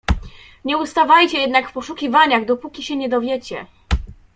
"Nie ustawajcie jednak w poszukiwaniach, dopóki się nie dowiecie."